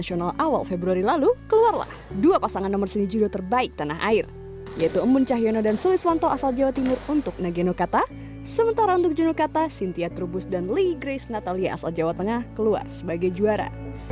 sementara untuk jodokata cynthia trubus dan lee grace natalia asal jawa tengah keluar sebagai juara